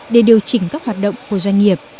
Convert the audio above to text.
để điều chỉnh các hoạt động của doanh nghiệp